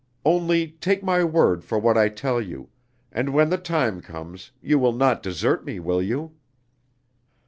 Only take my word for what I tell you; and when the time comes, you will not desert me, will you?"